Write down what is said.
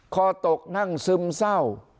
คอตกนั่งซึมเศร้า